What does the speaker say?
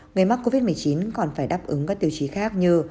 người mắc covid một mươi chín còn phải đáp ứng các tiêu chí khác như